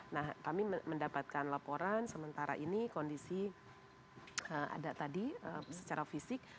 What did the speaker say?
nah kami mendapatkan laporan sementara ini kondisi ada tadi secara fisik